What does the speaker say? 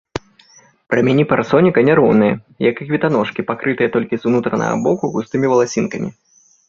Прамяні парасоніка няроўныя, як і кветаножкі, пакрытыя толькі з унутранага боку густымі валасінкамі.